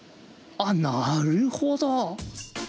あ、なるほど！